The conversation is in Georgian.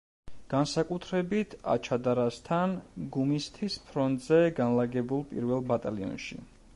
განსაკუთრებით აჩადარასთან, გუმისთის ფრონტზე განლაგებულ პირველ ბატალიონში.